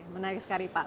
menarik sekali pak